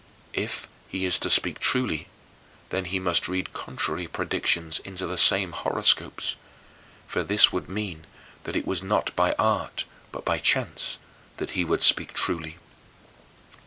If he is to speak truly, then he must read contrary predictions into the same horoscopes. But this would mean that it was not by art, but by chance, that he would speak truly.